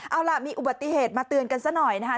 เอาล่ะมีอุบัติเหตุมาเตือนกันซะหน่อยนะคะ